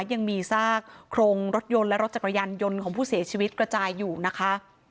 ยังมีซากโครงรถยนต์และรถจักรยานยนต์ของผู้เสียชีวิตกระจายอยู่นะคะ